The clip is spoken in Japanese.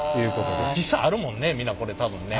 実際あるもんね。